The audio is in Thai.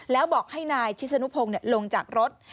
แล้วบอกให้นายชิสนุพงศ์ลงจากรถ